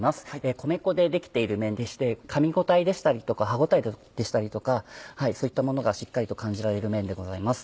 米粉で出来ている麺でしてかみ応えとか歯応えとかそういったものがしっかりと感じられる麺です。